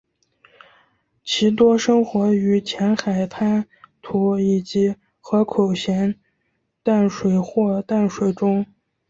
其多生活于浅海滩涂以及河口咸淡水或淡水中。